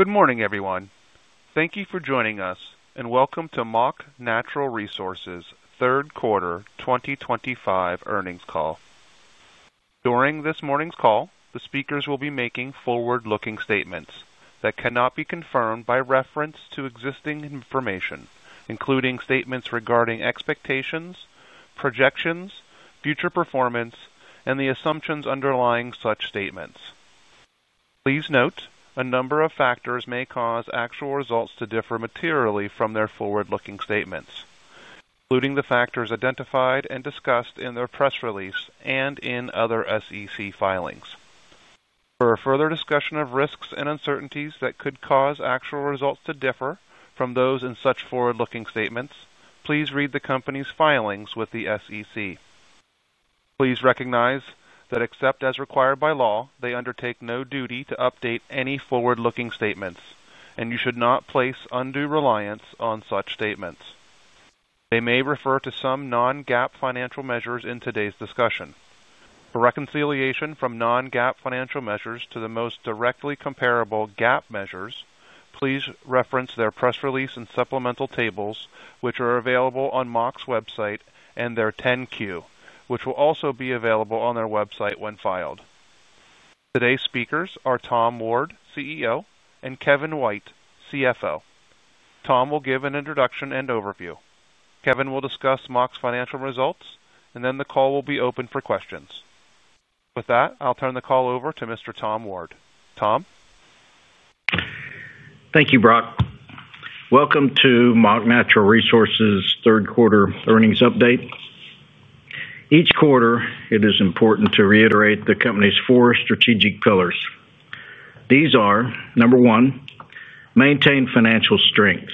Good morning, everyone. Thank you for joining us, and welcome to Mach Natural Resources Q3 2025 earnings call. During this morning's call, the speakers will be making forward-looking statements that cannot be confirmed by reference to existing information, including statements regarding expectations, projections, future performance, and the assumptions underlying such statements. Please note, a number of factors may cause actual results to differ materially from their forward-looking statements, including the factors identified and discussed in their press release and in other SEC filings. For further discussion of risks and uncertainties that could cause actual results to differ from those in such forward-looking statements, please read the company's filings with the SEC. Please recognize that, except as required by law, they undertake no duty to update any forward-looking statements, and you should not place undue reliance on such statements. They may refer to some non-GAAP financial measures in today's discussion. For reconciliation from non-GAAP financial measures to the most directly comparable GAAP measures, please reference their press release and supplemental tables, which are available on Mach's website, and their 10-Q, which will also be available on their website when filed. Today's speakers are Tom Ward, CEO, and Kevin White, CFO. Tom will give an introduction and overview. Kevin will discuss Mach's financial results, and then the call will be open for questions. With that, I'll turn the call over to Mr. Tom Ward. Tom? Thank you, Brock. Welcome to Mach Natural Resources Q3 earnings update. Each quarter, it is important to reiterate the company's four strategic pillars. These are, number one, maintain financial strength.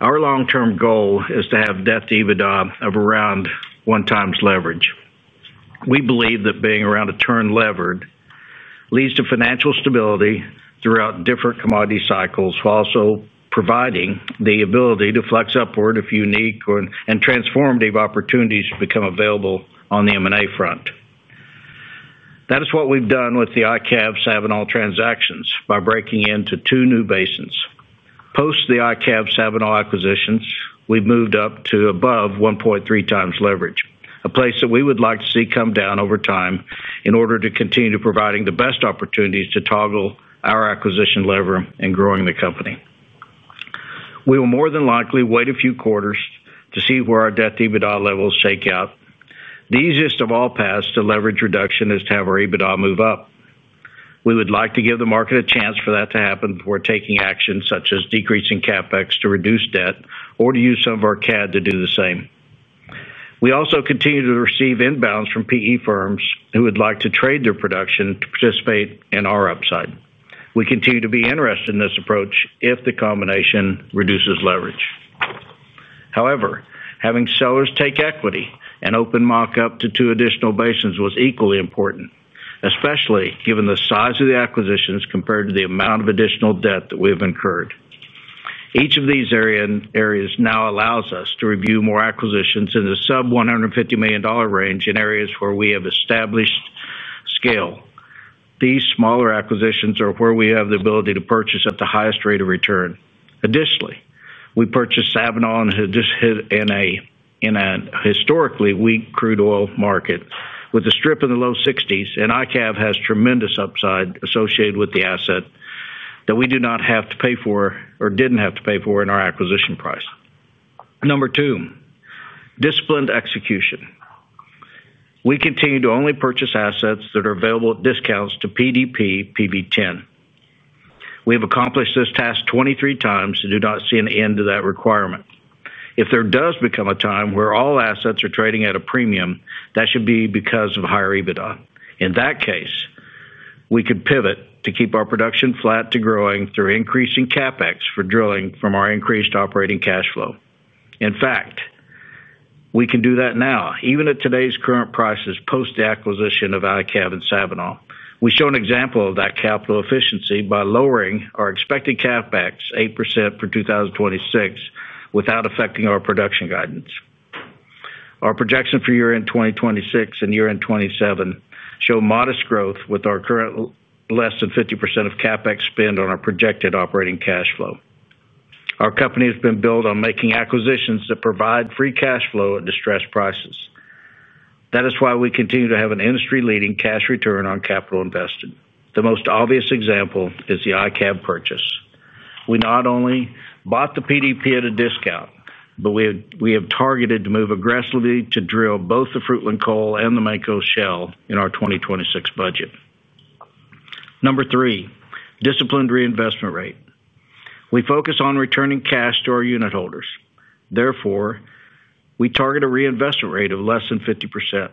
Our long-term goal is to have debt-EBITDA of around 1x leverage. We believe that being around a turn levered leads to financial stability throughout different commodity cycles, while also providing the ability to flex upward if unique and transformative opportunities become available on the M&A front. That is what we've done with the ICAV Savinol transactions by breaking into two new basins. Post the ICAV Savinol acquisitions, we've moved up to above 1.3x leverage, a place that we would like to see come down over time in order to continue providing the best opportunities to toggle our acquisition lever and growing the company. We will more than likely wait a few quarters to see where our debt-EBITDA levels shake out. The easiest of all paths to leverage reduction is to have our EBITDA move up. We would like to give the market a chance for that to happen before taking action such as decreasing CapEx to reduce debt or to use some of our CAD to do the same. We also continue to receive inbounds from PE firms who would like to trade their production to participate in our upside. We continue to be interested in this approach if the combination reduces leverage. However, having sellers take equity and open Mach up to two additional basins was equally important, especially given the size of the acquisitions compared to the amount of additional debt that we have incurred. Each of these areas now allows us to review more acquisitions in the sub-$150 million range in areas where we have established scale. These smaller acquisitions are where we have the ability to purchase at the highest rate of return. Additionally, we purchased Savinol in a historically weak crude oil market with a strip in the low 60s, and ICAV has tremendous upside associated with the asset that we do not have to pay for or did not have to pay for in our acquisition price. Number two, disciplined execution. We continue to only purchase assets that are available at discounts to PDP/PV10. We have accomplished this task 23x and do not see an end to that requirement. If there does become a time where all assets are trading at a premium, that should be because of higher EBITDA. In that case, we could pivot to keep our production flat to growing through increasing CapEx for drilling from our increased operating cash flow. In fact, we can do that now, even at today's current prices post the acquisition of ICAV and Savinol. We show an example of that capital efficiency by lowering our expected CapEx 8% for 2026 without affecting our production guidance. Our projection for year-end 2026 and year-end 2027 show modest growth with our current less than 50% of CapEx spend on our projected operating cash flow. Our company has been built on making acquisitions that provide free cash flow at distressed prices. That is why we continue to have an industry-leading cash return on capital invested. The most obvious example is the ICAV purchase. We not only bought the PDP at a discount, but we have targeted to move aggressively to drill both the Fruitland Coal and the Mancos Shale in our 2026 budget. Number three, disciplined reinvestment rate. We focus on returning cash to our unit holders. Therefore, we target a reinvestment rate of less than 50%.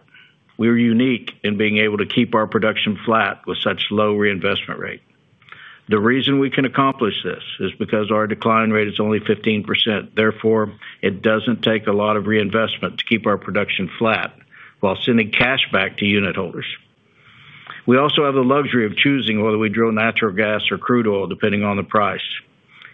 We are unique in being able to keep our production flat with such low reinvestment rate. The reason we can accomplish this is because our decline rate is only 15%. Therefore, it does not take a lot of reinvestment to keep our production flat while sending cash back to unit holders. We also have the luxury of choosing whether we drill natural gas or crude oil depending on the price.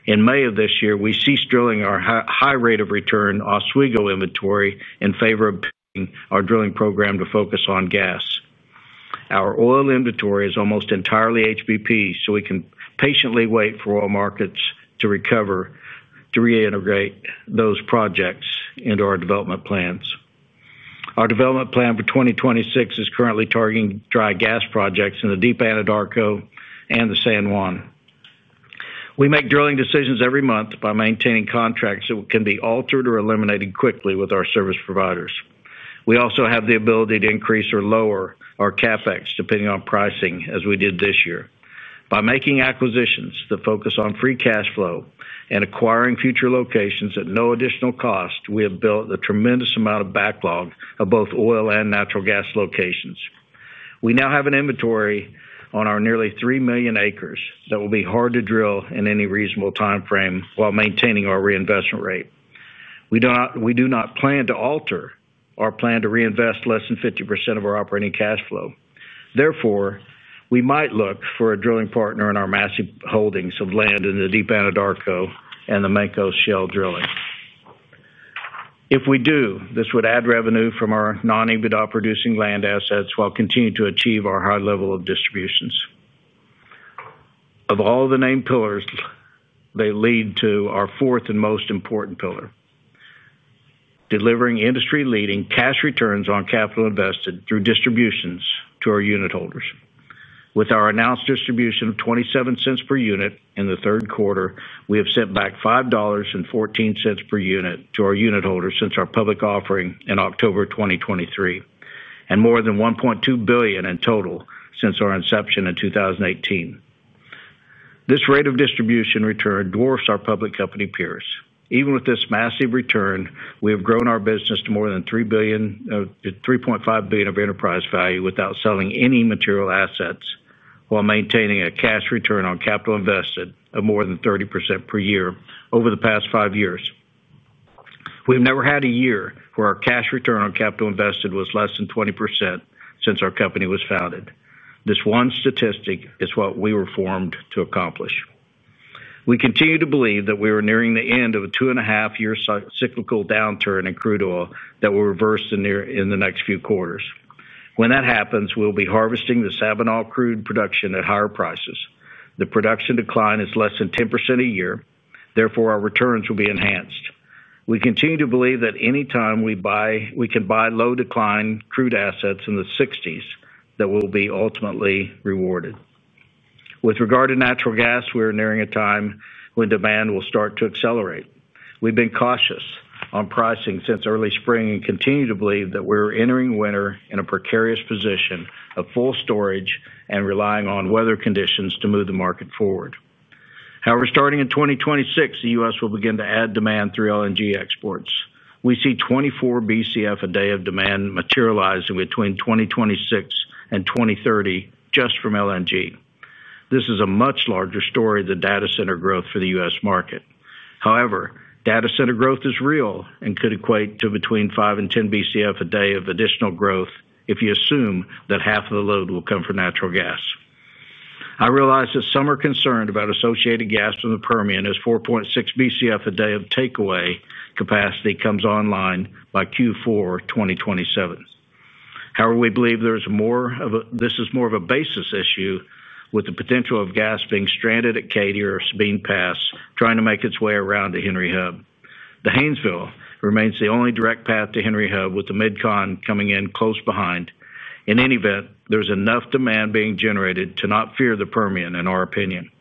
In May of this year, we ceased drilling our high rate of return Oswego inventory in favor of pivoting our drilling program to focus on gas. Our oil inventory is almost entirely HBP, so we can patiently wait for oil markets to recover to reintegrate those projects into our development plans. Our development plan for 2026 is currently targeting dry gas projects in the Deep Anadarko and the San Juan. We make drilling decisions every month by maintaining contracts that can be altered or eliminated quickly with our service providers. We also have the ability to increase or lower our CapEx depending on pricing, as we did this year. By making acquisitions that focus on free cash flow and acquiring future locations at no additional cost, we have built a tremendous amount of backlog of both oil and natural gas locations. We now have an inventory on our nearly 3 million acres that will be hard to drill in any reasonable timeframe while maintaining our reinvestment rate. We do not plan to alter our plan to reinvest less than 50% of our operating cash flow. Therefore, we might look for a drilling partner in our massive holdings of land in the Deep Anadarko and the Mancos Shale drilling. If we do, this would add revenue from our non-EBITDA producing land assets while continuing to achieve our high level of distributions. Of all the named pillars, they lead to our fourth and most important pillar: delivering industry-leading cash returns on capital invested through distributions to our unit holders. With our announced distribution of $0.27 per unit in the Q3, we have sent back $5.14 per unit to our unit holders since our public offering in October 2023, and more than $1.2 billion in total since our inception in 2018. This rate of distribution return dwarfs our public company peers. Even with this massive return, we have grown our business to more than $3.5 billion of enterprise value without selling any material assets while maintaining a cash return on capital invested of more than 30% per year over the past five years. We have never had a year where our cash return on capital invested was less than 20% since our company was founded. This one statistic is what we were formed to accomplish. We continue to believe that we are nearing the end of a 2.5 year cyclical downturn in crude oil that will reverse in the next few quarters. When that happens, we will be harvesting the Savinol crude production at higher prices. The production decline is less than 10% a year. Therefore, our returns will be enhanced. We continue to believe that any time we can buy low-decline crude assets in the 60s that we will be ultimately rewarded. With regard to natural gas, we are nearing a time when demand will start to accelerate. We've been cautious on pricing since early spring and continue to believe that we are entering winter in a precarious position of full storage and relying on weather conditions to move the market forward. However, starting in 2026, the U.S. will begin to add demand through LNG exports. We see 24 Bcf a day of demand materializing between 2026 and 2030 just from LNG. This is a much larger story than data center growth for the U.S. market. However, data center growth is real and could equate to between 5 Bcf and 10 Bcf a day of additional growth if you assume that half of the load will come from natural gas. I realize that some are concerned about associated gas from the Permian as 4.6 Bcf a day of takeaway capacity comes online by Q4 2027. However, we believe this is more of a basis issue with the potential of gas being stranded at Caddo or Sabine Pass trying to make its way around to Henry Hub. The Haynesville remains the only direct path to Henry Hub with the Midcon coming in close behind. In any event, there is enough demand being generated to not fear the Permian, in our opinion.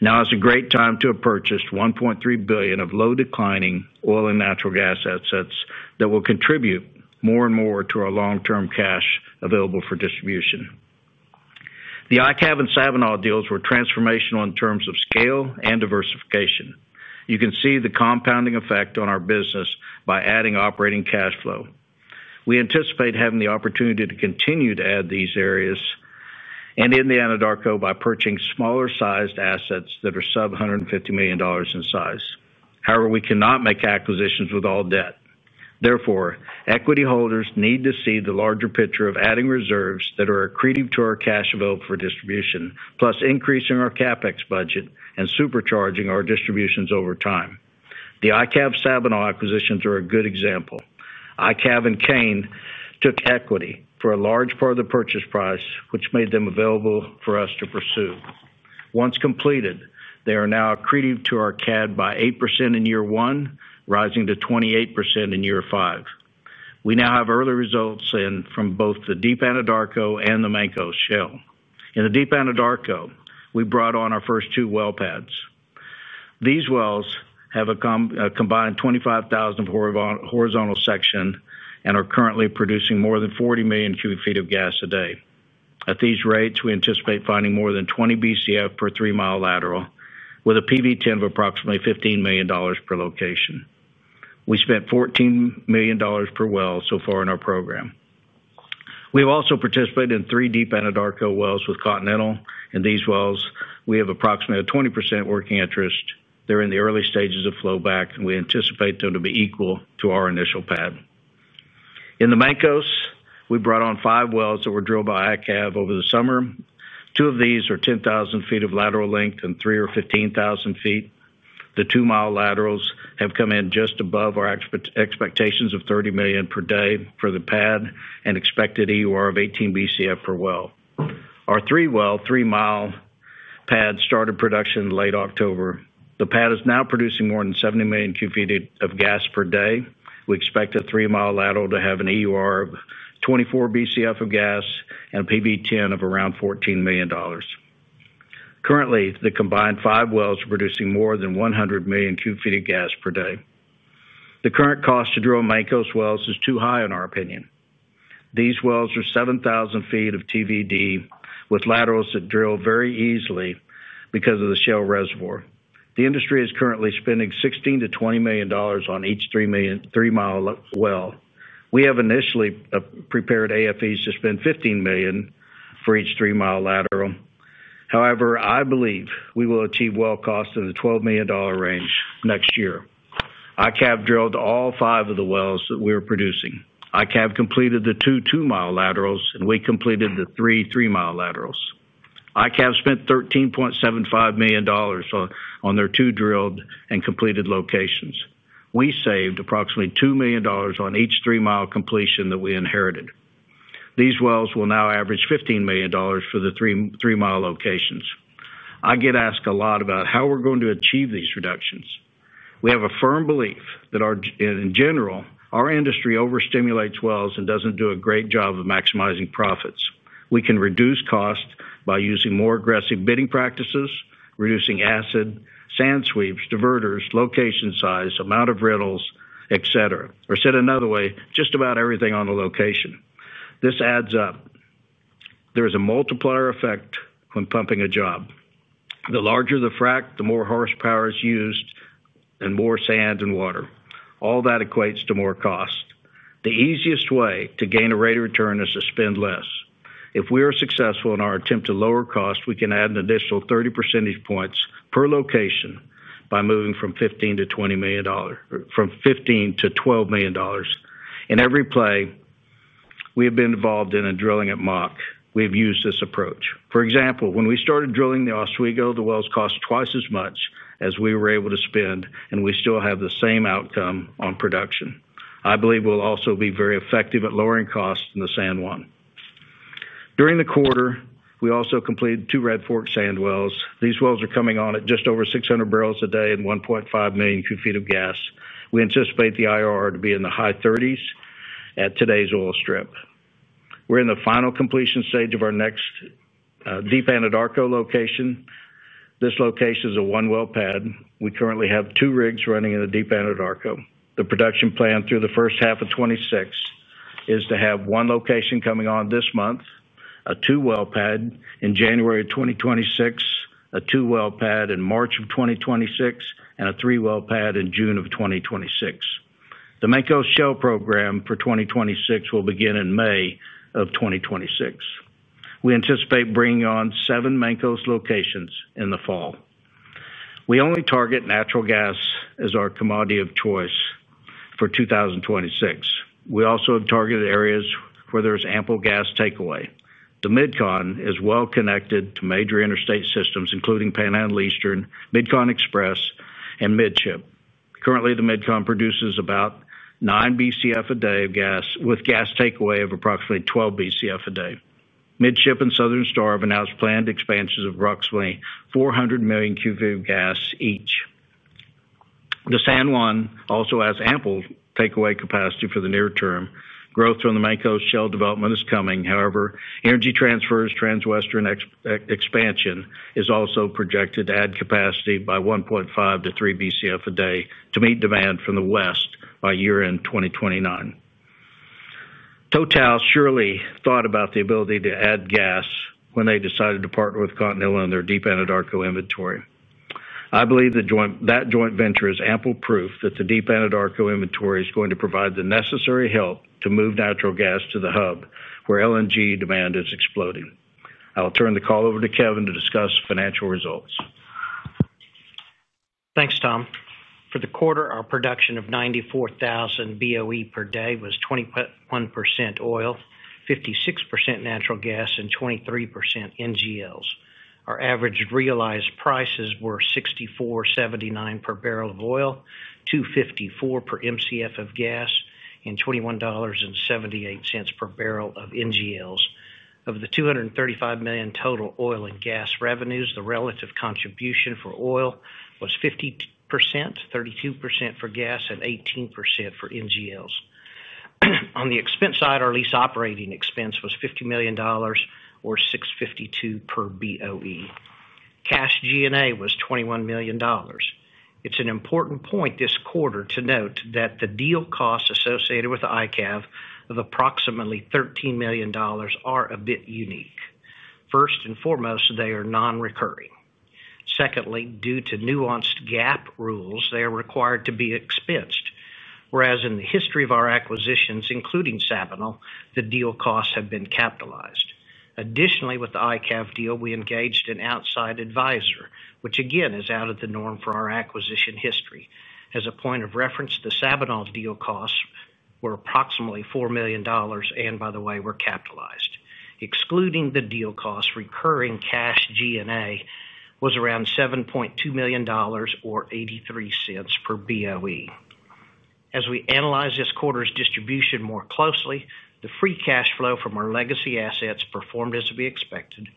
Now is a great time to have purchased $1.3 billion of low-declining oil and natural gas assets that will contribute more and more to our long-term cash available for distribution. The ICAV and Savinol deals were transformational in terms of scale and diversification. You can see the compounding effect on our business by adding operating cash flow. We anticipate having the opportunity to continue to add these areas and in the Anadarko by purchasing smaller-sized assets that are sub $150 million in size. However, we cannot make acquisitions with all debt. Therefore, equity holders need to see the larger picture of adding reserves that are accretive to our cash available for distribution, plus increasing our CapEx budget and supercharging our distributions over time. The ICAV-Savinol acquisitions are a good example. ICAV and Cain took equity for a large part of the purchase price, which made them available for us to pursue. Once completed, they are now accretive to our CAD by 8% in year one, rising to 28% in year five. We now have early results from both the Deep Anadarko and the Mancos Shale. In the Deep Anadarko, we brought on our first two well pads. These wells have a combined 25,000 horizontal section and are currently producing more than 40 million cu ft of gas a day. At these rates, we anticipate finding more than 20 Bcf per 3 mi lateral with a PV10 of approximately $15 million/location. We spent $14 million/well so far in our program. We have also participated in three Deep Anadarko wells with Continental. In these wells, we have approximately a 20% working interest. They're in the early stages of flowback, and we anticipate them to be equal to our initial pad. In the Mancos, we brought on five wells that were drilled by ICAV over the summer. Two of these are 10,000 ft of lateral length and three are 15,000 ft. The 2-mi laterals have come in just above our expectations of 30 million/day for the pad and expected EUR of 18 Bcf per well. Our three-well, 3-mi pad started production in late October. The pad is now producing more than 70 million cu ft of gas per day. We expect a 3-mi lateral to have an EUR of 24 BCF of gas and a PV10 of around $14 million. Currently, the combined five wells are producing more than 100 million cu ft of gas per day. The current cost to drill Mach's wells is too high, in our opinion. These wells are 7,000 ft of TVD with laterals that drill very easily because of the shale reservoir. The industry is currently spending $16 million-$20 million on each 3-mi well. We have initially prepared AFEs to spend $15 million for each 3-mi lateral. However, I believe we will achieve well cost in the $12 million range next year. ICAV drilled all five of the wells that we are producing. ICAV completed the two 2-mi laterals, and we completed the three 3-mi laterals. ICAV spent $13.75 million on their two drilled and completed locations. We saved approximately $2 million on each 3-mi completion that we inherited. These wells will now average $15 million for the 3-mi locations. I get asked a lot about how we're going to achieve these reductions. We have a firm belief that, in general, our industry overstimulates wells and doesn't do a great job of maximizing profits. We can reduce costs by using more aggressive bidding practices, reducing acid, sand sweeps, diverters, location size, amount of riddles, etc. Or said another way, just about everything on the location. This adds up. There is a multiplier effect when pumping a job. The larger the fract, the more horsepower is used and more sand and water. All that equates to more cost. The easiest way to gain a rate of return is to spend less. If we are successful in our attempt to lower cost, we can add an additional 30 percentage points per location by moving from $15 million to $12 million. In every play we have been involved in and drilling at Mach, we have used this approach. For example, when we started drilling the Oswego, the wells cost twice as much as we were able to spend, and we still have the same outcome on production. I believe we will also be very effective at lowering costs in the San Juan. During the quarter, we also completed two Red Fork Sand wells. These wells are coming on at just over 600 bbl a day and 1.5 million cu ft of gas. We anticipate the IRR to be in the high 30% at today's oil strip. We're in the final completion stage of our next Deep Anadarko location. This location is a one well pad. We currently have two rigs running in the Deep Anadarko. The production plan through the first half of 2026 is to have one location coming on this month, a two well pad in January of 2026, a two well pad in March of 2026, and a three well pad in June of 2026. The Mancos Shale program for 2026 will begin in May of 2026. We anticipate bringing on seven Mancos locations in the fall. We only target natural gas as our commodity of choice for 2026. We also have targeted areas where there is ample gas takeaway. The Midcon is well connected to major interstate systems, including Panhandle Eastern, Midcon Express, and Midship. Currently, the Midcon produces about 9 Bcf a day of gas with gas takeaway of approximately 12 Bcf a day. Midship and Southern Star have announced planned expansions of approximately 400 million cu ft of gas each. The San Juan also has ample takeaway capacity for the near term. Growth from the Mancos Shale development is coming. However, Energy Transfer's Transwestern expansion is also projected to add capacity by 1.5Bcf-3 Bcf a day to meet demand from the west by year-end 2029. Total surely thought about the ability to add gas when they decided to partner with Continental on their Deep Anadarko inventory. I believe that joint venture is ample proof that the Deep Anadarko inventory is going to provide the necessary help to move natural gas to the hub where LNG demand is exploding. I'll turn the call over to Kevin to discuss financial results. Thanks, Tom. For the quarter, our production of 94,000 BOE per day was 21% oil, 56% natural gas, and 23% NGLs. Our average realized prices were $64.79/bbl of oil, $2.54 per Mcf of gas, and $21.78/bbl of NGLs. Of the $235 million total oil and gas revenues, the relative contribution for oil was 50%, 32% for gas, and 18% for NGLs. On the expense side, our lease operating expense was $50 million or $6.52 per BOE. Cash G&A was $21 million. It's an important point this quarter to note that the deal costs associated with ICAV of approximately $13 million are a bit unique. First and foremost, they are non-recurring. Secondly, due to nuanced GAAP rules, they are required to be expensed, whereas in the history of our acquisitions, including Savinol, the deal costs have been capitalized. Additionally, with the ICAV deal, we engaged an outside advisor, which again is out of the norm for our acquisition history. As a point of reference, the Savinol deal costs were approximately $4 million, and by the way, were capitalized. Excluding the deal costs, recurring cash G&A was around $7.2 million or $0.83/BOE. As we analyze this quarter's distribution more closely, the Free Cash Flow from our legacy assets performed as we expected.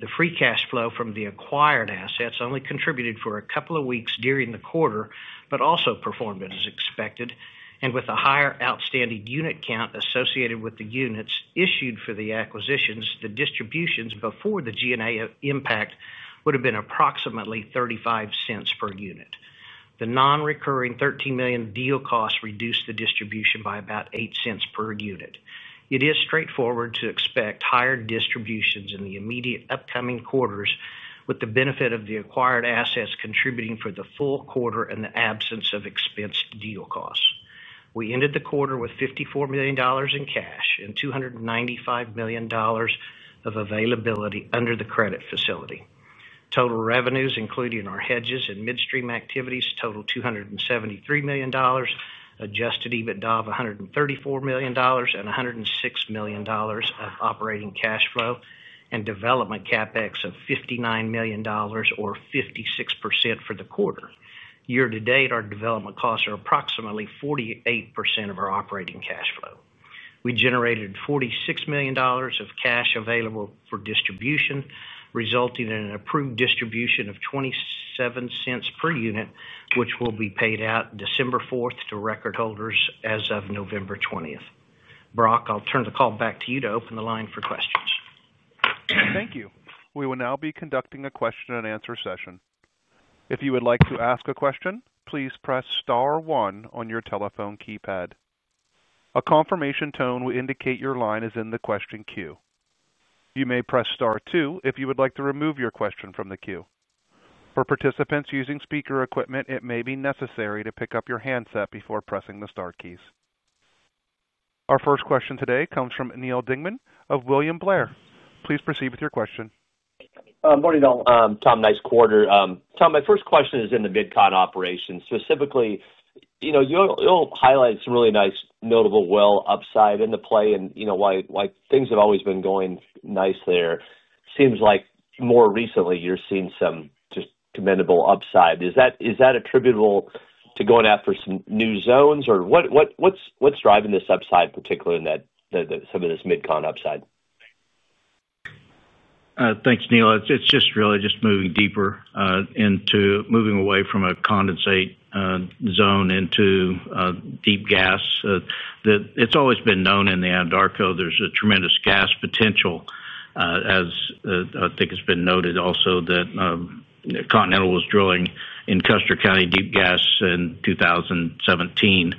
The Free Cash Flow from the acquired assets only contributed for a couple of weeks during the quarter, but also performed as expected. With a higher outstanding unit count associated with the units issued for the acquisitions, the distributions before the G&A impact would have been approximately $0.35/unit. The non-recurring $13 million deal costs reduced the distribution by about $0.08/unit. It is straightforward to expect higher distributions in the immediate upcoming quarters, with the benefit of the acquired assets contributing for the full quarter in the absence of expensed deal costs. We ended the quarter with $54 million in cash and $295 million of availability under the credit facility. Total revenues, including our hedges and midstream activities, totaled $273 million, Adjusted EBITDA of $134 million, and $106 million of operating cash flow, and development CapEx of $59 million or 56% for the quarter. Year-to-date, our development costs are approximately 48% of our operating cash flow. We generated $46 million of cash available for distribution, resulting in an approved distribution of $0.27/unit, which will be paid out December 4th to record holders as of November 20th. Brock, I'll turn the call back to you to open the line for questions. Thank you. We will now be conducting a question-and-answer session. If you would like to ask a question, please press star one on your telephone keypad. A confirmation tone will indicate your line is in the question queue. You may press star two if you would like to remove your question from the queue. For participants using speaker equipment, it may be necessary to pick up your handset before pressing the star keys. Our first question today comes from Neal Dingmann of William Blair. Please proceed with your question. Morning, Tom. Nice quarter. Tom, my first question is in the Midcon operation. Specifically, you highlight some really nice, notable well upside in the play, and why things have always been going nice there. Seems like more recently you are seeing some just commendable upside. Is that attributable to going after some new zones, or what's driving this upside, particularly in some of this Midcon upside? Thanks, Neal. It's just really just moving deeper into moving away from a condensate zone into deep gas. It's always been known in the Anadarko there's a tremendous gas potential, as I think it's been noted also that Continental was drilling in Custer County deep gas in 2017.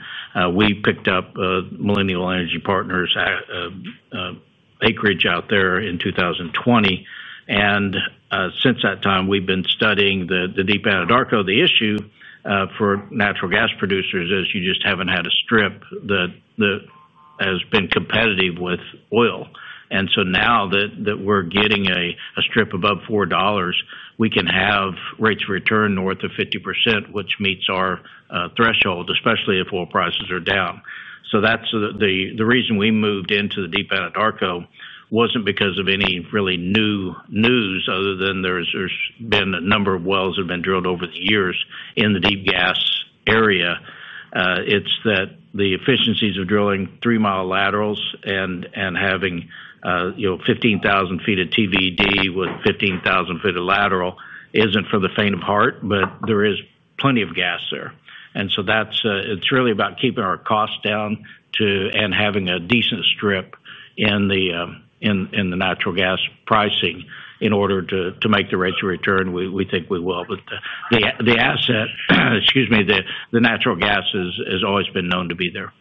We picked up Millennial Energy Partners' acreage out there in 2020. Since that time, we've been studying the Deep Anadarko. The issue for natural gas producers is you just haven't had a strip that has been competitive with oil. Now that we're getting a strip above $4, we can have rates of return north of 50%, which meets our threshold, especially if oil prices are down. That's the reason we moved into the Deep Anadarko. It wasn't because of any really new news other than there's been a number of wells that have been drilled over the years in the deep gas area. It is that the efficiencies of drilling three-mile laterals and having 15,000 ft of TVD with 15,000 ft of lateral isn't for the faint of heart, but there is plenty of gas there. It is really about keeping our costs down and having a decent strip in the natural gas pricing in order to make the rates of return. We think we will. The asset, excuse me, the natural gas has always been known to be there.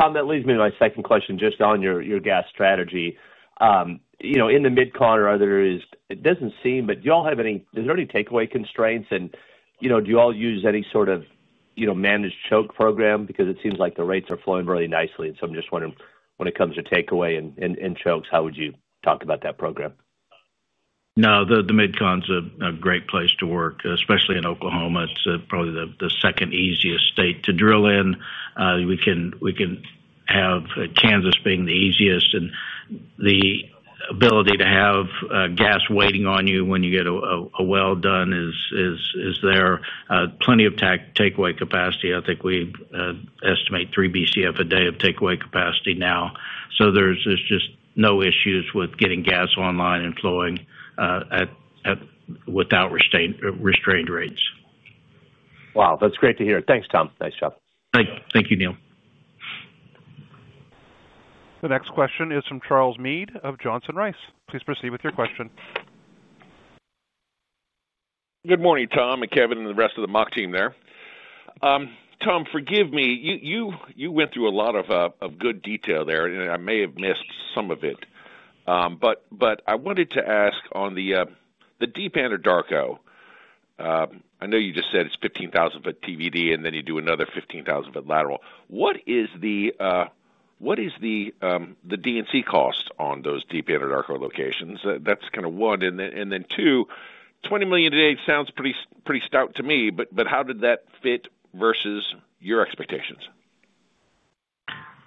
Tom, that leads me to my second question just on your gas strategy. In the Midcon or others, it doesn't seem, but do you all have any—does there any takeaway constraints? And do you all use any sort of managed choke program? Because it seems like the rates are flowing really nicely. And so I'm just wondering, when it comes to takeaway and chokes, how would you talk about that program? No, the Midcon's a great place to work, especially in Oklahoma. It's probably the second easiest state to drill in. We can have Kansas being the easiest. And the ability to have gas waiting on you when you get a well done is there. Plenty of takeaway capacity. I think we estimate 3 Bcf a day of takeaway capacity now. So there's just no issues with getting gas online and flowing without restrained rates. Wow, that's great to hear. Thanks, Tom. Nice job. Thank you, Neal. The next question is from Charles Meade of Johnson Rice. Please proceed with your question. Good morning, Tom, and Kevin, and the rest of the Mach team there. Tom, forgive me. You went through a lot of good detail there. I may have missed some of it. I wanted to ask on the Deep Anadarko. I know you just said it is 15,000 ft TVD, and then you do another 15,000 ft lateral. What is the DNC cost on those Deep Anadarko locations? That is kind of one. Two, $20 million a day sounds pretty stout to me, but how did that fit versus your expectations?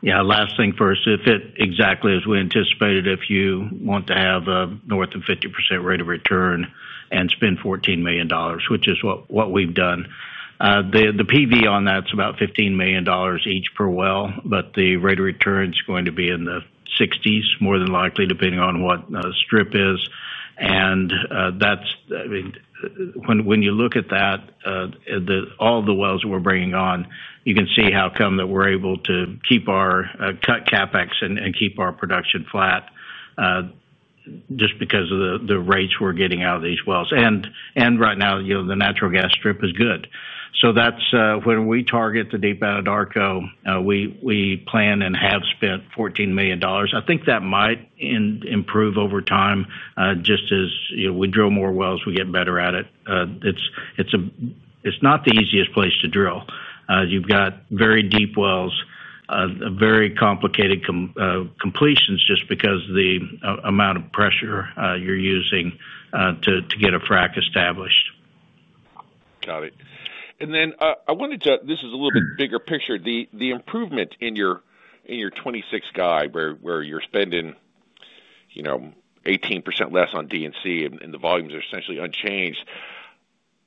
Last thing first, it fit exactly as we anticipated if you want to have a north of 50% rate of return and spend $14 million, which is what we have done. The PV on that is about $15 million each per well, but the rate of return is going to be in the 60s, more than likely, depending on what strip is. When you look at that, all the wells we're bringing on, you can see how come that we're able to keep our CapEx cut and keep our production flat just because of the rates we're getting out of these wells. Right now, the natural gas strip is good. When we target the Deep Anadarko, we plan and have spent $14 million. I think that might improve over time. Just as we drill more wells, we get better at it. It is not the easiest place to drill. You have very deep wells, very complicated completions just because of the amount of pressure you're using to get a frac established. Got it. I wanted to—this is a little bit bigger picture—the improvement in your 2026 guide where you're spending 18% less on DNC and the volumes are essentially unchanged.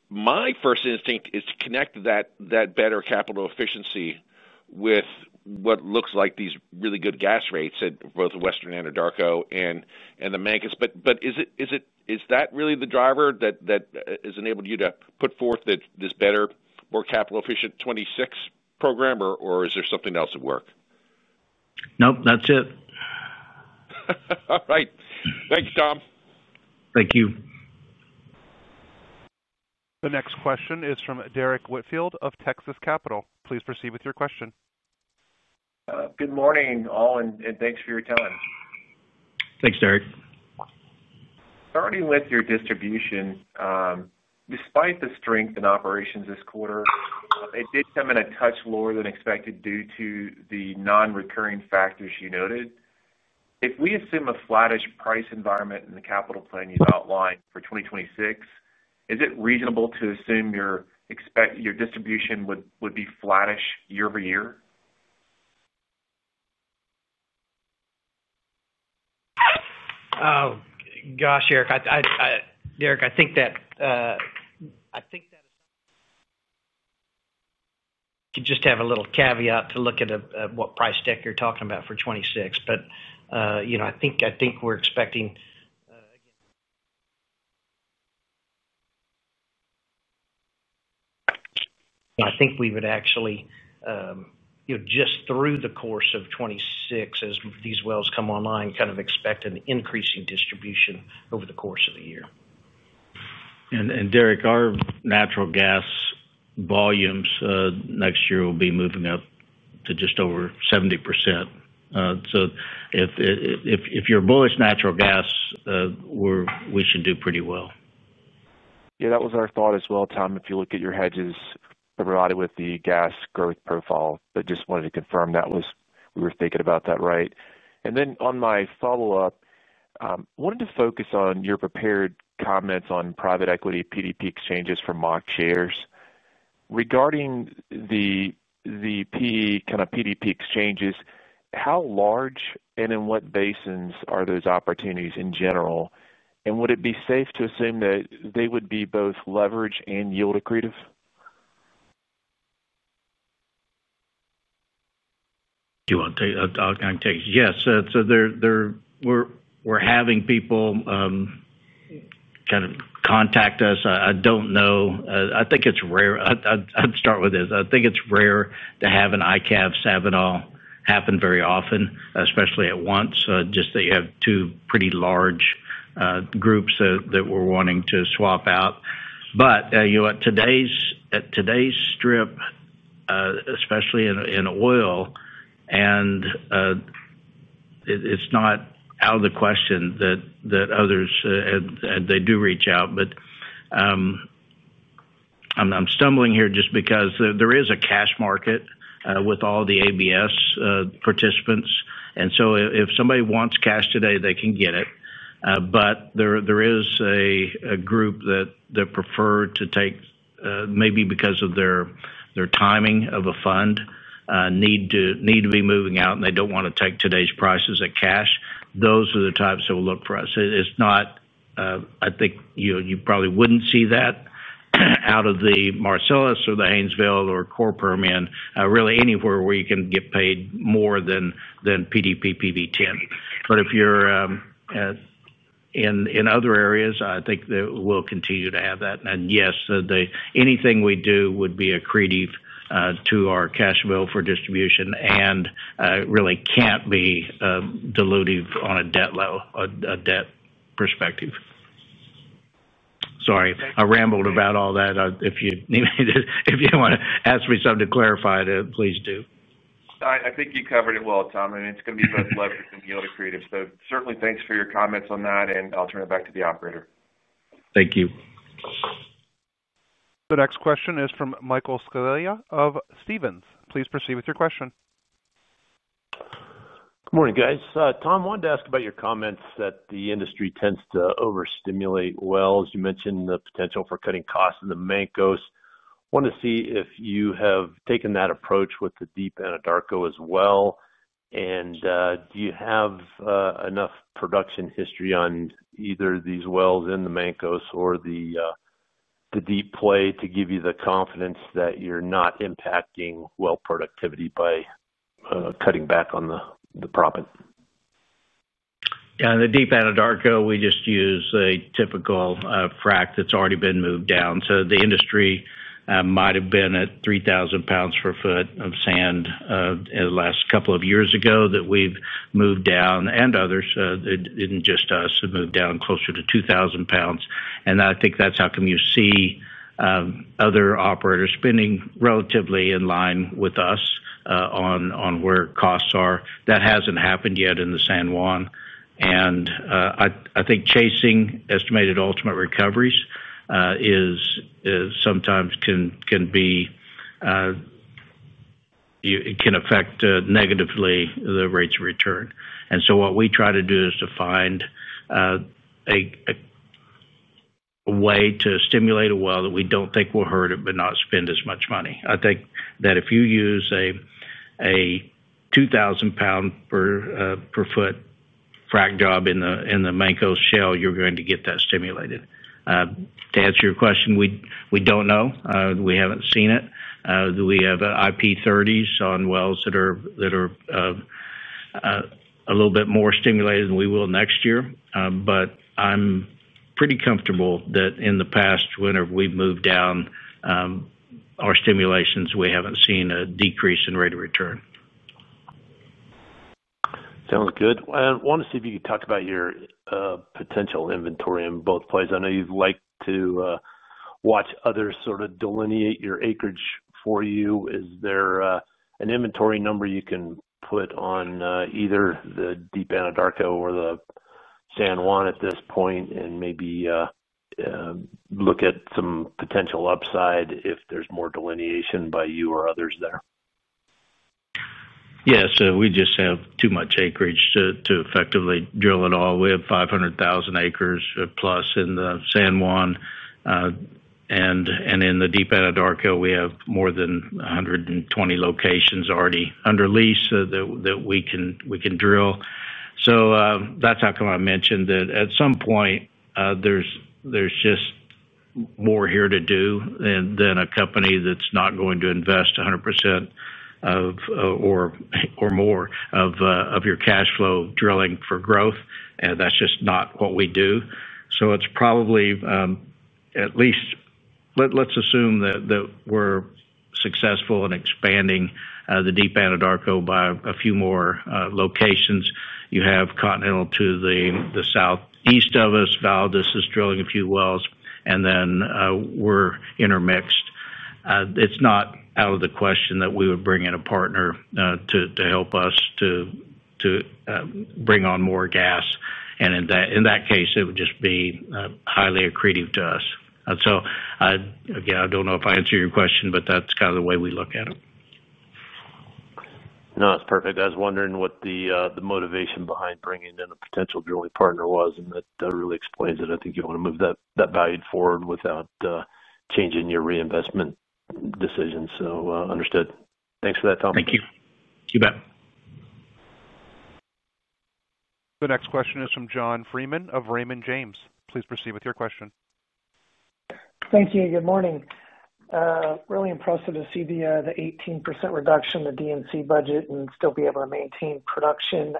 My first instinct is to connect that better capital efficiency with what looks like these really good gas rates at both Western Anadarko and the Mancos. But is that really the driver that has enabled you to put forth this better, more capital-efficient 2026 program, or is there something else at work? Nope, that's it. All right. Thanks, Tom. Thank you. The next question is from Derrick Whitfield of Texas Capital. Please proceed with your question. Good morning, all, and thanks for your time. Thanks, Derrick. Starting with your distribution, despite the strength in operations this quarter, it did come in a touch lower than expected due to the non-recurring factors you noted. If we assume a flattish price environment in the capital plan you've outlined for 2026, is it reasonable to assume your distribution would be flattish year-over-year? Oh, gosh, Derrick. Derrick, I think that could just have a little caveat to look at what price deck you are talking about for 2026. I think we are expecting—I think we would actually, just through the course of 2026, as these wells come online, kind of expect an increasing distribution over the course of the year. Derrick, our natural gas volumes next year will be moving up to just over 70%. If you are bullish natural gas, we should do pretty well. That was our thought as well, Tom. If you look at your hedges, everybody with the gas growth profile. Just wanted to confirm that we were thinking about that right. On my follow-up, I wanted to focus on your prepared comments on private equity PDP exchanges for Mach shares. Regarding the PE kind of PDP exchanges, how large and in what basins are those opportunities in general? Would it be safe to assume that they would be both leverage and yield accretive? Do you want to take—yes. We are having people kind of contact us. I do not know. I think it is rare. I would start with this. I think it is rare to have an ICAV-Savinol happen very often, especially at once, just that you have two pretty large groups that were wanting to swap out. At today's strip, especially in oil, it is not out of the question that others—and they do reach out. I am stumbling here just because there is a cash market with all the ABS participants. If somebody wants cash today, they can get it. There is a group that prefer to take, maybe because of their timing of a fund, need to be moving out, and they do not want to take today's prices at cash. Those are the types that will look for us. It is not—I think you probably would not see that out of the Marcellus or the Haynesville or Permian, really anywhere where you can get paid more than PDP PV10. If you are in other areas, I think that we will continue to have that. Yes, anything we do would be accretive to our cash flow for distribution and really cannot be dilutive on a debt perspective. Sorry, I rambled about all that. If you want to ask me something to clarify, please do. I think you covered it well, Tom. I mean, it is going to be both leverage and yield accretive. Certainly, thanks for your comments on that, and I'll turn it back to the operator. Thank you. The next question is from Michael Scialla of Stephens. Please proceed with your question. Good morning, guys. Tom, I wanted to ask about your comments that the industry tends to overstimulate wells. You mentioned the potential for cutting costs in the Mancos. I want to see if you have taken that approach with the Deep Anadarko as well. And do you have enough production history on either these wells in the Mancos or the Deep Play to give you the confidence that you're not impacting well productivity by cutting back on the profit? Yeah, in the Deep Anadarko, we just use a typical frac that's already been moved down. The industry might have been at 3,000 lbs/ft of sand in the last couple of years ago that we have moved down, and others. It was not just us. It moved down closer to 2,000 lbs. I think that is how come you see other operators spending relatively in line with us on where costs are. That has not happened yet in the San Juan. I think chasing estimated ultimate recoveries sometimes can affect negatively the rates of return. What we try to do is to find a way to stimulate a well that we do not think will hurt it but not spend as much money. I think that if you use a 2,000 lbs/ft frac job in the Mancos Shale, you are going to get that stimulated. To answer your question, we do not know. We have not seen it. We have IP30s on wells that are a little bit more stimulated than we will next year. I am pretty comfortable that in the past, whenever we have moved down our stimulations, we have not seen a decrease in rate of return. Sounds good. I want to see if you could talk about your potential inventory in both plays. I know you like to watch others sort of delineate your acreage for you. Is there an inventory number you can put on either the Deep Anadarko or the San Juan at this point and maybe look at some potential upside if there is more delineation by you or others there? Yeah, we just have too much acreage to effectively drill it all. We have 500,000 acres+ in the San Juan. In the Deep Anadarko, we have more than 120 locations already under lease that we can drill. That's how come I mentioned that at some point, there's just more here to do than a company that's not going to invest 100% or more of your cash flow drilling for growth. That's just not what we do. It's probably at least, let's assume that we're successful in expanding the Deep Anadarko by a few more locations. You have Continental to the southeast of us. Valdez is drilling a few wells, and then we're intermixed. It's not out of the question that we would bring in a partner to help us to bring on more gas. In that case, it would just be highly accretive to us. I don't know if I answered your question, but that's kind of the way we look at it. No, that's perfect. I was wondering what the motivation behind bringing in a potential drilling partner was, and that really explains it. I think you want to move that value forward without changing your reinvestment decisions. So understood. Thanks for that, Tom. Thank you. You bet. The next question is from John Freeman of Raymond James. Please proceed with your question. Thank you. Good morning. Really impressive to see the 18% reduction in the DNC budget and still be able to maintain production.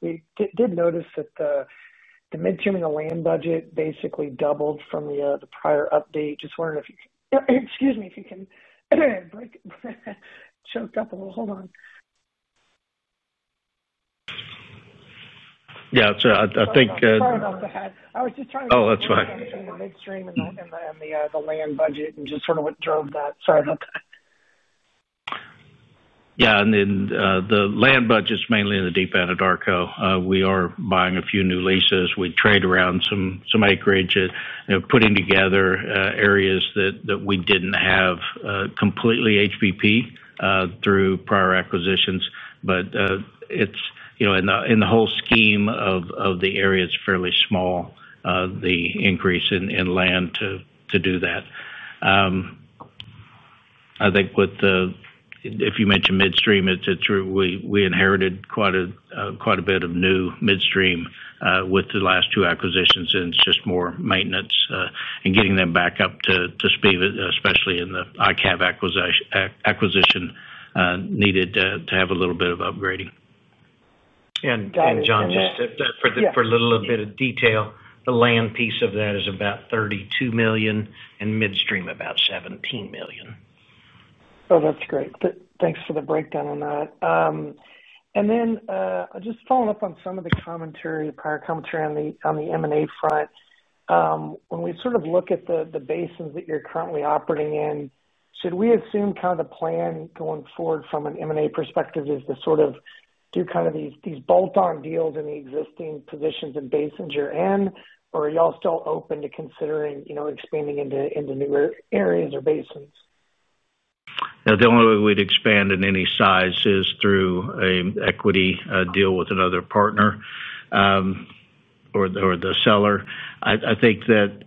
We did notice that the midstream and the land budget basically doubled from the prior update. Just wondering if you can—excuse me—if you can choke up a little. Hold on. Yeah, I think— I'm sorry about that. I was just trying to understand the midstream and the land budget and just sort of what drove that. Sorry about that. Yeah, and the land budget's mainly in the Deep Anadarko. We are buying a few new leases. We trade around some acreage and putting together areas that we did not have completely HBP through prior acquisitions. In the whole scheme of the area, it is fairly small, the increase in land to do that. I think if you mentioned midstream, it is true. We inherited quite a bit of new midstream with the last two acquisitions, and it is just more maintenance and getting them back up to speed, especially in the ICAV acquisition needed to have a little bit of upgrading. John, just for a little bit of detail, the land piece of that is about $32 million, and midstream about $17 million. Oh, that is great. Thanks for the breakdown on that. Just following up on some of the prior commentary on the M&A front, when we sort of look at the basins that you're currently operating in, should we assume kind of the plan going forward from an M&A perspective is to sort of do kind of these bolt-on deals in the existing positions and basins you're in, or are y'all still open to considering expanding into newer areas or basins? The only way we'd expand in any size is through an equity deal with another partner or the seller. I think that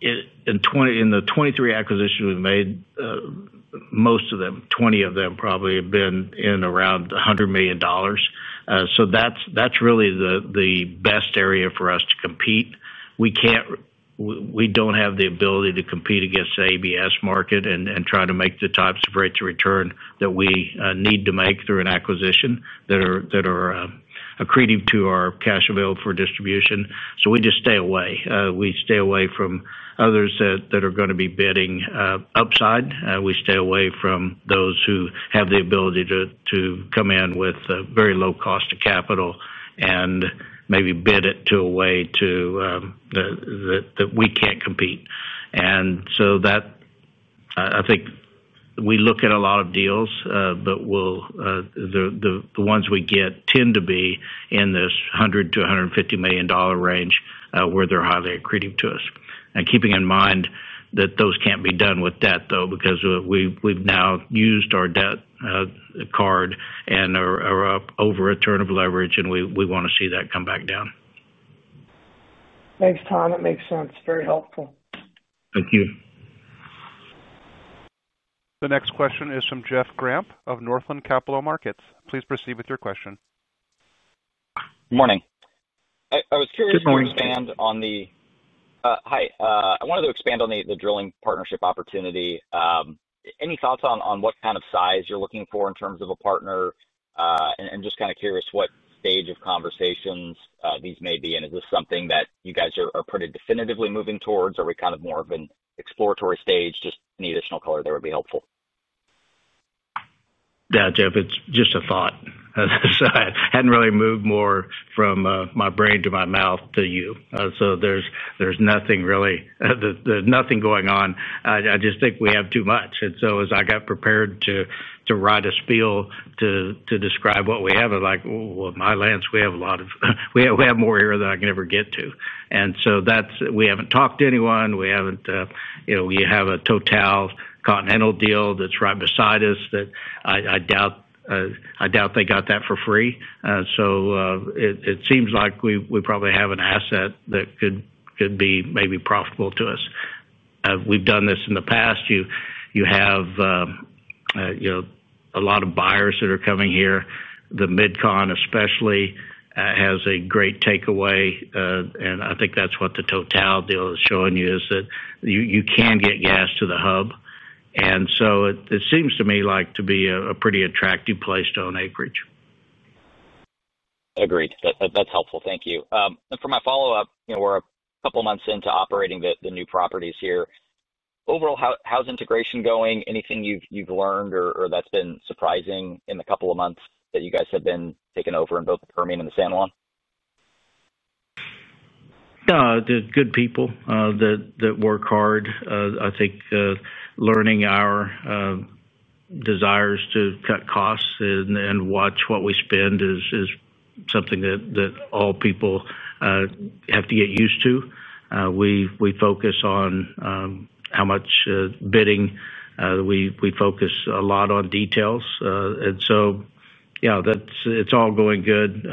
in the 23 acquisitions we've made, most of them, 20 of them probably have been in around $100 million. That's really the best area for us to compete. We don't have the ability to compete against the ABS market and try to make the types of rates of return that we need to make through an acquisition that are accretive to our cash available for distribution. We just stay away. We stay away from others that are going to be bidding upside. We stay away from those who have the ability to come in with very low cost of capital and maybe bid it to a way that we can't compete. I think we look at a lot of deals, but the ones we get tend to be in this $100 million-$150 million range where they're highly accretive to us. Keeping in mind that those cannot be done with debt, though, because we have now used our debt card and are over a turn of leverage, and we want to see that come back down. Thanks, Tom. That makes sense. Very helpful. Thank you. The next question is from Jeff Grampp of Northland Capital Markets. Please proceed with your question. Good morning. I was curious to expand on the— Good morning. Hi. I wanted to expand on the drilling partnership opportunity. Any thoughts on what kind of size you are looking for in terms of a partner? Just kind of curious what stage of conversations these may be. Is this something that you guys are pretty definitively moving towards? Are we kind of more of an exploratory stage? Any additional color there would be helpful. Yeah, Jeff, it is just a thought. I hadn't really moved more from my brain to my mouth to you. There is nothing really—there is nothing going on. I just think we have too much. As I got prepared to write a spiel to describe what we have, I am like, "My lands, we have a lot of—we have more here than I can ever get to." We have not talked to anyone. We have a TotalEnergies Continental Resources deal that is right beside us that I doubt they got for free. It seems like we probably have an asset that could be maybe profitable to us. We have done this in the past. You have a lot of buyers that are coming here. The Midcontinent, especially, has great takeaway. I think that is what the TotalEnergies deal is showing you, that you can get gas to the hub. It seems to me like to be a pretty attractive place to own acreage. Agreed. That's helpful. Thank you. For my follow-up, we're a couple of months into operating the new properties here. Overall, how's integration going? Anything you've learned or that's been surprising in the couple of months that you guys have been taking over in both the Permian and the San Juan? Good people that work hard. I think learning our desires to cut costs and watch what we spend is something that all people have to get used to. We focus on how much bidding. We focus a lot on details. Yeah, it's all going good.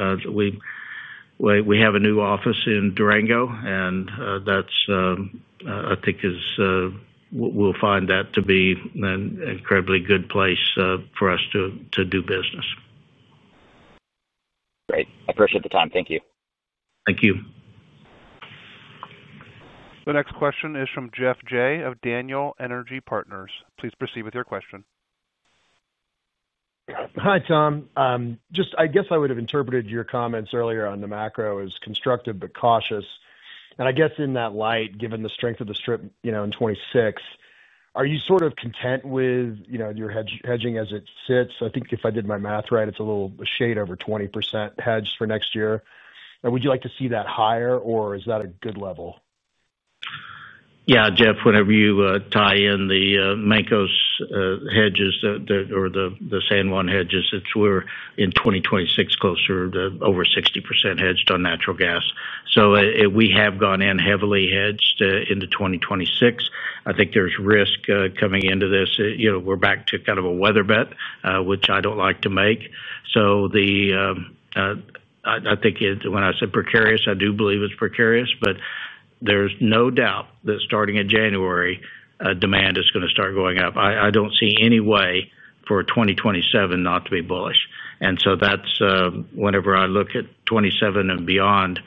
We have a new office in Durango, and that, I think, is we'll find that to be an incredibly good place for us to do business. Great. I appreciate the time. Thank you. Thank you. The next question is from Geoff Jay of Daniel Energy Partners. Please proceed with your question. Hi, Tom. Just I guess I would have interpreted your comments earlier on the macro as constructive but cautious. I guess in that light, given the strength of the strip in 2026, are you sort of content with your hedging as it sits? I think if I did my math right, it's a little shade over 20% hedged for next year. Would you like to see that higher, or is that a good level? Yeah, Geoff, whenever you tie in the Mancos hedges or the San Juan hedges, we're in 2026 closer to over 60% hedged on natural gas. So we have gone in heavily hedged into 2026. I think there's risk coming into this. We're back to kind of a weather bet, which I don't like to make. I think when I say precarious, I do believe it's precarious, but there's no doubt that starting in January, demand is going to start going up. I don't see any way for 2027 not to be bullish. Whenever I look at 2027 and beyond,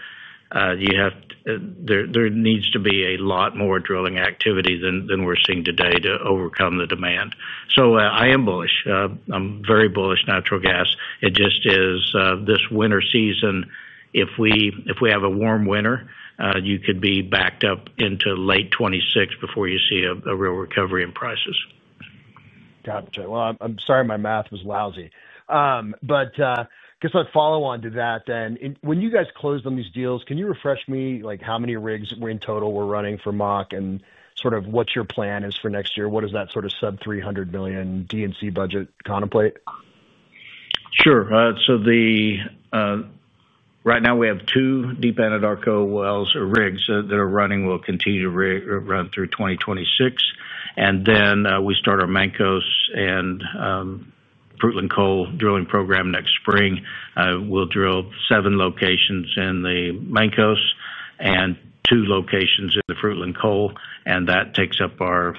there needs to be a lot more drilling activity than we're seeing today to overcome the demand. I am bullish. I'm very bullish on natural gas. It just is this winter season, if we have a warm winter, you could be backed up into late 2026 before you see a real recovery in prices. Gotcha. I'm sorry my math was lousy. I guess I'd follow on to that then. When you guys closed on these deals, can you refresh me how many rigs in total we're running for Mach and sort of what your plan is for next year? What does that sort of sub $300 million DNC budget contemplate? Sure. So right now, we have two Deep Anadarko wells or rigs that are running. We'll continue to run through 2026. And then we start our Mancos and Fruitland Coal drilling program next spring. We'll drill seven locations in the Mancos and two locations in the Fruitland Coal, and that takes up our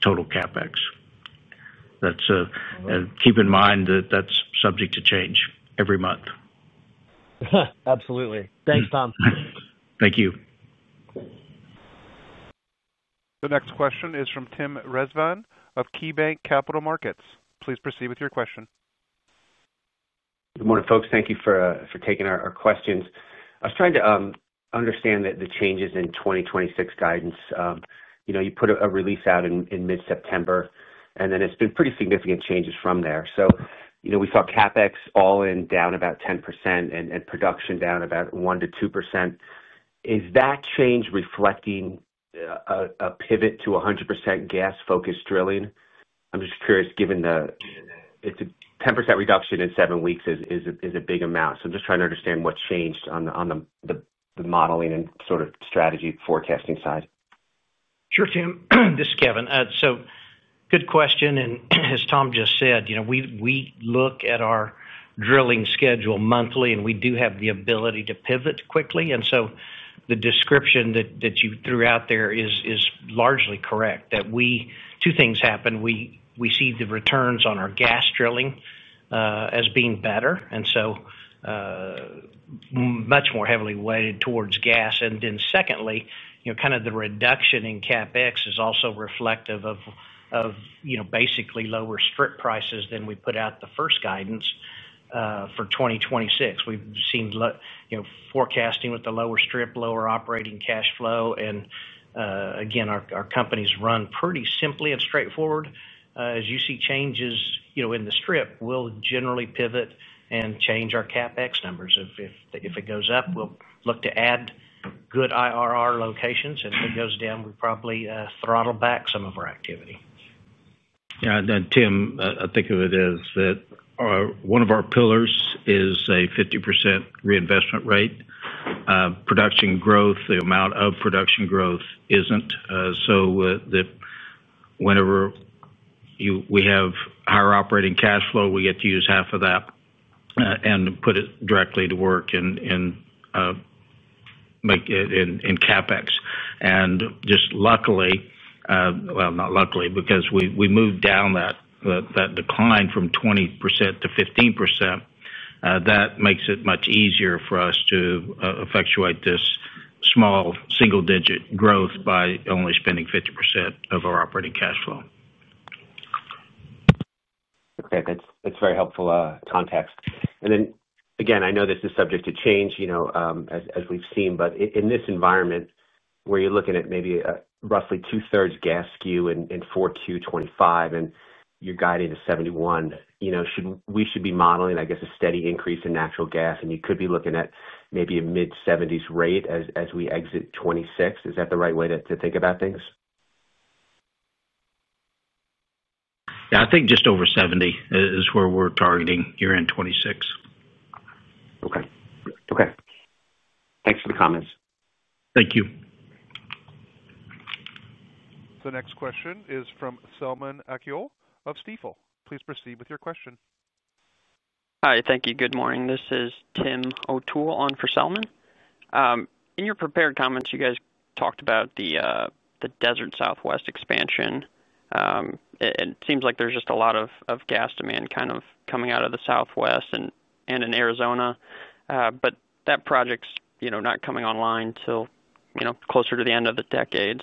total CapEx. Keep in mind that that's subject to change every month. Absolutely. Thanks, Tom. Thank you. The next question is from Tim Rezvan of KeyBanc Capital Markets. Please proceed with your question. Good morning, folks. Thank you for taking our questions. I was trying to understand the changes in 2026 guidance. You put a release out in mid-September, and then it's been pretty significant changes from there. We saw CapEx all in down about 10% and production down about 1%-2%.Is that change reflecting a pivot to 100% gas-focused drilling? I'm just curious, given it's a 10% reduction in seven weeks is a big amount. I'm just trying to understand what's changed on the modeling and sort of strategy forecasting side. Sure, Tim. This is Kevin. Good question. As Tom just said, we look at our drilling schedule monthly, and we do have the ability to pivot quickly. The description that you threw out there is largely correct, that two things happen. We see the returns on our gas drilling as being better, and so much more heavily weighted towards gas. Secondly, the reduction in CapEx is also reflective of basically lower strip prices than we put out the first guidance for 2026. We've seen forecasting with the lower strip, lower operating cash flow. Our companies run pretty simply and straightforward. As you see changes in the strip, we'll generally pivot and change our CapEx numbers. If it goes up, we'll look to add good IRR locations. If it goes down, we probably throttle back some of our activity. Tim, I think of it as that one of our pillars is a 50% reinvestment rate. Production growth, the amount of production growth, is not. Whenever we have higher operating cash flow, we get to use half of that and put it directly to work and make it in CapEx. Just luckily—not luckily—because we moved down that decline from 20% to 15%, that makes it much easier for us to effectuate this small single-digit growth by only spending 50% of our operating cash flow. That is very helpful context. I know this is subject to change, as we have seen, but in this environment where you are looking at maybe roughly two-thirds gas skew in 2024, 2025, and you are guiding to 71, we should be modeling, I guess, a steady increase in natural gas, and you could be looking at maybe a mid-70s rate as we exit 2026. Is that the right way to think about things? Yeah. I think just over 70 is where we are targeting here in 2026. Okay. Okay. Thanks for the comments. Thank you. The next question is from Selman Akyol of Stifel. Please proceed with your question. Hi. Thank you. Good morning. This is Tim O'Toole on for Selman. In your prepared comments, you guys talked about the Desert Southwest expansion. It seems like there's just a lot of gas demand kind of coming out of the Southwest and in Arizona, but that project's not coming online till closer to the end of the decade.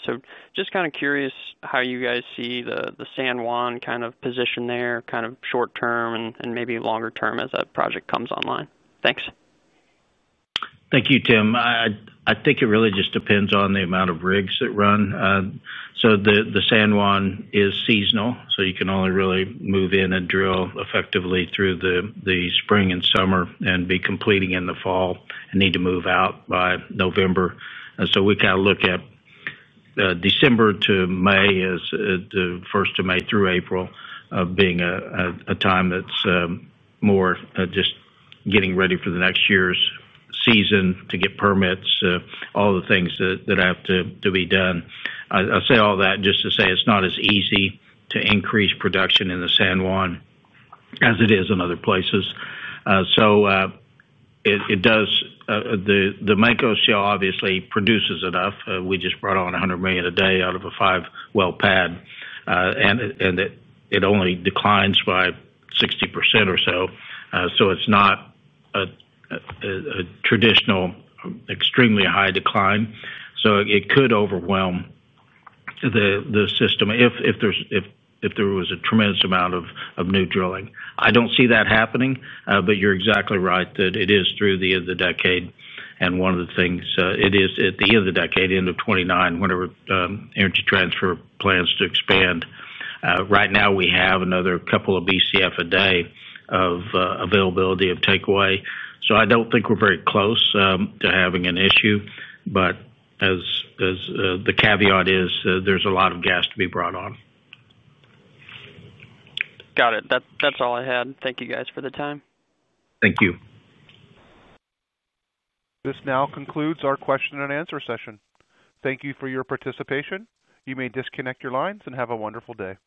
Just kind of curious how you guys see the San Juan kind of position there, kind of short-term and maybe longer-term as that project comes online. Thanks. Thank you, Tim. I think it really just depends on the amount of rigs that run. The San Juan is seasonal, so you can only really move in and drill effectively through the spring and summer and be completing in the fall and need to move out by November. We kind of look at December to May, the first of May through April, being a time that's more just getting ready for the next year's season to get permits, all the things that have to be done. I say all that just to say it's not as easy to increase production in the San Juan as it is in other places. The Mancos Shale obviously produces enough. We just brought on 100 million a day out of a five-well pad, and it only declines by 60% or so. It's not a traditional extremely high decline. It could overwhelm the system if there was a tremendous amount of new drilling. I don't see that happening, but you're exactly right that it is through the end of the decade. One of the things is at the end of the decade, end of 2029, whenever Energy Transfer plans to expand. Right now, we have another couple of Bcf a day of availability of takeaway. I do not think we are very close to having an issue. The caveat is there is a lot of gas to be brought on. Got it. That is all I had. Thank you guys for the time. Thank you. This now concludes our question and answer session. Thank you for your participation. You may disconnect your lines and have a wonderful day.